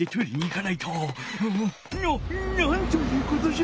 なっなんということじゃ！